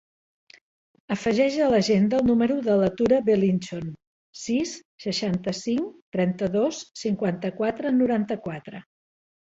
Afegeix a l'agenda el número de la Tura Belinchon: sis, seixanta-cinc, trenta-dos, cinquanta-quatre, noranta-quatre.